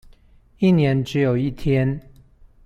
一年只有一天